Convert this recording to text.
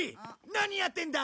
何やってんだ？